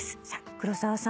黒沢さん